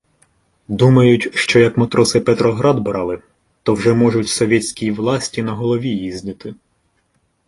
Думають, що як матроси Петроград брали, то вже можуть совєтській власті на голові їздити.